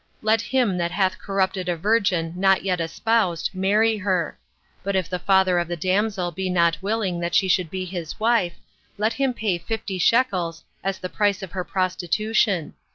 Let him that hath corrupted a virgin not yet espoused marry her; but if the father of the damsel be not willing that she should be his wife, let him pay fifty shekels as the price of her prostitution.